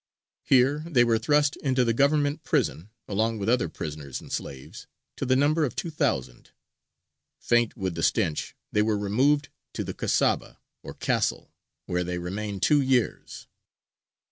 Here they were thrust into the Government prison, along with other prisoners and slaves, to the number of two thousand. Faint with the stench, they were removed to the Kasaba or Castle, where they remained two years.